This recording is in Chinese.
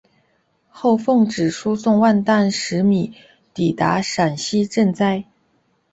后奉旨输送万石米抵达陕西赈灾。